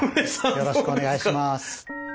よろしくお願いします。